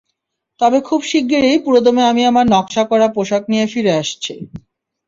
তবে খুব শিগগির পুরোদমে আমি আমার নকশা করা পোশাক নিয়ে ফিরে আসছি।